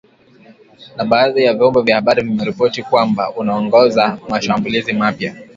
Na badhi ya vyombo vya habari vimeripoti kwamba anaongoza mashambulizi mapya.